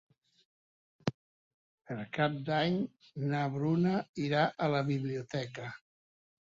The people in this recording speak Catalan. Per Cap d'Any na Bruna irà a la biblioteca.